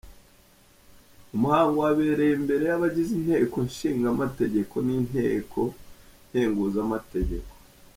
Umuhango wabereye imbere y'abagize inteko nshinga amategeko n'inteko nkenguza amateka.